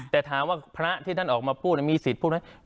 แต่ถามว่าพระที่ท่านออกมาพูดมีสิทธิ์พูดไหม